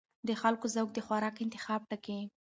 د خلکو ذوق د خوراک انتخاب ټاکي.